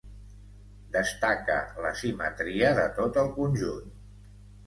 Destaca l'asimetria de tot el conjunt.